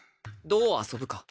どう遊ぶか。